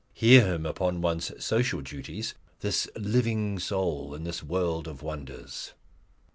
Hear him upon one's social duties this living soul in this world of wonders!